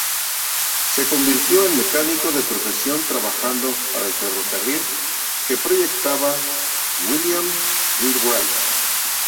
Se convirtió en mecánico de profesión trabajando para el ferrocarril que proyectaba William Wheelwright.